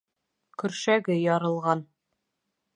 Көршәге ярылған.